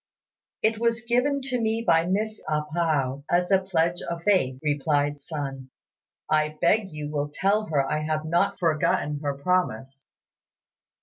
"It was given to me by Miss A pao as a pledge of faith," replied Sun; "I beg you will tell her I have not forgotten her promise."